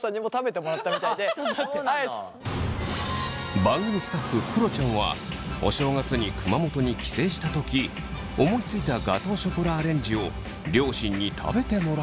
番組スタッフくろちゃんはお正月に熊本に帰省した時思いついたガトーショコラアレンジを両親に食べてもらいました。